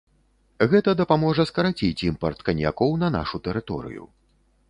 Гэта дапаможа скараціць імпарт каньякоў на нашу тэрыторыю.